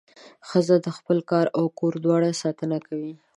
ښځه د خپل کار او کور دواړو ساتنه کوي.